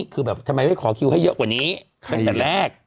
คือแบบทำไมไม่ขอคิวให้เยอะกว่านี้ตั้งแต่แรก